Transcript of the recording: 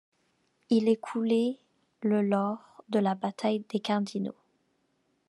Il est coulé le lors de la bataille des Cardinaux.